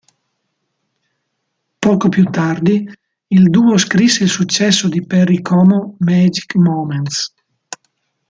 Poco più tardi il duo scrisse il successo di Perry Como "Magic Moments".